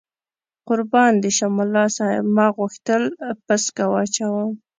قربان دې شم، ملا صاحب ما غوښتل پسکه واچوم.